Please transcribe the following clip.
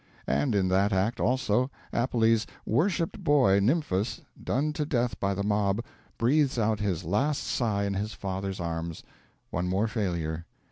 And in that act, also, Appelles' worshipped boy, Nymphas, done to death by the mob, breathes out his last sigh in his father's arms one more failure.